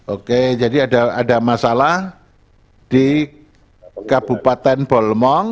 oke jadi ada masalah di kabupaten bolmong